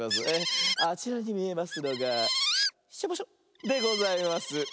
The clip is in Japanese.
あちらにみえますのが「しょぼしょ」でございます。